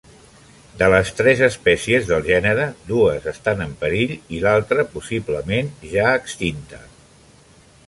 De les tres espècies del gènere, dues estan en perill i l'altra possiblement ja extinta.